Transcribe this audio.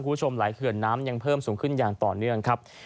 คุณผู้ชมหลายเขื่อนน้ำยังเพิ่มสูงขึ้นอย่างต่อเนื่องครับ